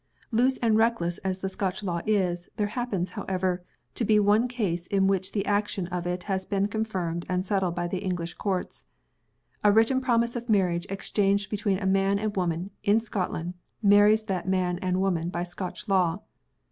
"Loose and reckless as the Scotch law is, there happens, however, to be one case in which the action of it has been confirmed and settled by the English Courts. A written promise of marriage exchanged between a man and woman, in Scotland, marries that man and woman by Scotch law.